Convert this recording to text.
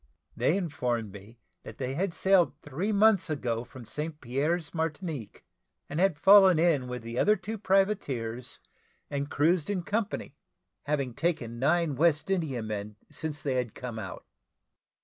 They informed me that they had sailed three months ago from St. Pierre's, Martinique, and had fallen in with the two other privateers, and cruised in company, having taken nine West Indiamen since they had come out.